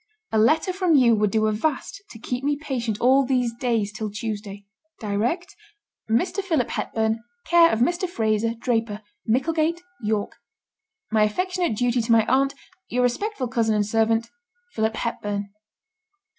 A letter from you would do a vast to keep me patient all these days till Tuesday. Direct 'Mr. Philip Hepburn, 'Care of Mr. Fraser, Draper, 'Micklegate, York. 'My affectionate duty to my aunt. 'Your respectful cousin and servant, 'PHILIP HEPBURN.